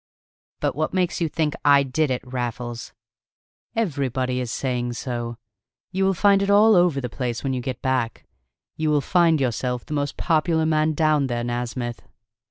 "But what makes you think I did it, Raffles?" "Everybody is saying so. You will find it all over the place when you get back. You will find yourself the most popular man down there, Nasmyth!"